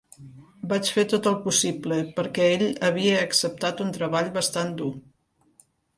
Vaig fer tot el possible, perquè ell havia acceptat un treball bastant dur.